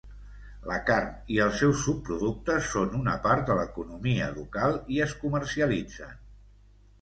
La carn i els seus subproductes són una part de l'economia local i es comercialitzen.